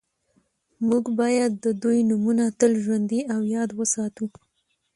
موږ باید د دوی نومونه تل ژوندي او یاد وساتو